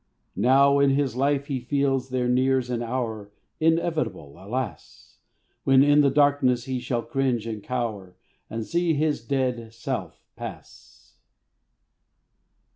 Now in his life he feels there nears an hour, Inevitable, alas! When in the darkness he shall cringe and cower, And see his dead self pass.